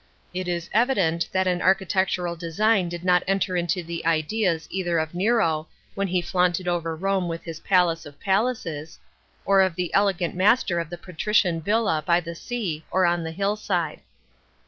It is evident that an architectural design did not enter into the ideas either of Nero, when he flaunted over Rome with his palace of palaces, or of the elegant master of the patrician villa by the sea or on the hillside."